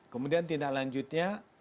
kemudian tindak lanjutnya